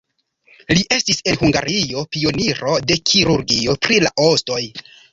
Li estis en Hungario pioniro de kirurgio pri la ostoj.